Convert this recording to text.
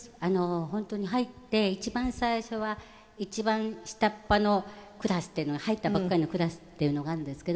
本当に入って一番最初は一番下っ端のクラスっていうの入ったばっかりのクラスっていうのがあるんですけど。